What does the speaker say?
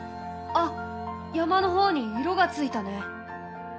あ山の方に色がついたね！